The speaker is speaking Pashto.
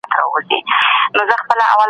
ته هره اونۍ په کارونو کې مصروف يې.